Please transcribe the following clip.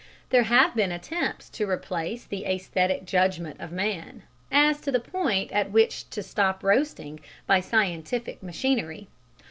There have been attempts to replace the æsthetic judgment of man, as to the point at which to stop roasting, by scientific machinery.